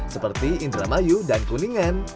seperti indramayu dan kuningan